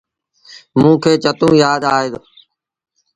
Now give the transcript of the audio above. موݩ کي چتو يآد اهي۔